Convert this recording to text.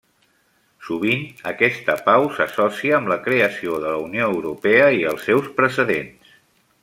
Sovint aquesta pau s'associa amb la creació de la Unió Europea i els seus precedents.